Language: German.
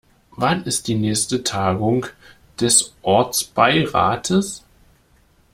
Wann ist die nächste Tagung des Ortsbeirates?